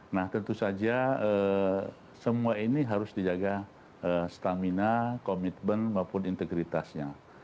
nah tentu saja semua ini harus dijaga stamina komitmen maupun integritasnya